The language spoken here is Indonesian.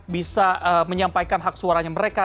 bisa menyampaikan hak suaranya mereka